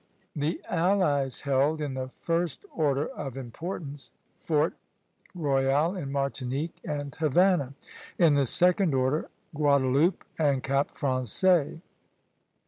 The allies held, in the first order of importance, Fort Royal in Martinique, and Havana; in the second order, Guadeloupe and Cap Français.